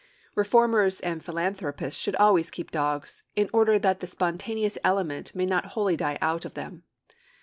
Reformers and philanthropists should always keep dogs, in order that the spontaneous element may not wholly die out of them.